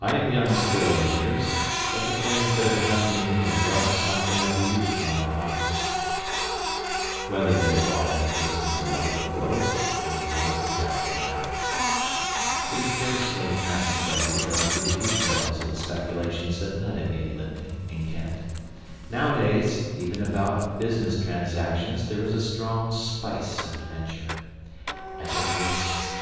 I am young still in years, but the things that have happened to me have rubbed something of the youth from my mind. Whether they have brought any wisdom to light below it is a more doubtful matter. It is scarcely necessary to go into the details of the speculations that landed me at Lympne, in Kent. Nowadays even about business transactions there is a strong spice of adventure. I took risks.